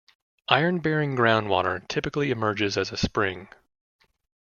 Iron-bearing groundwater typically emerges as a spring.